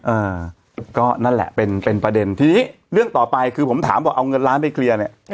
อ่าก็นั่นแหละเป็นเป็นประเด็นทีนี้เรื่องต่อไปคือผมถามว่าเอาเงินล้านไปเคลียร์เนี่ย